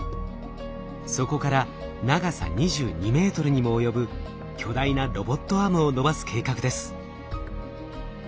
そこから長さ２２ｍにも及ぶ巨大なロボットアームを伸ばす計画です。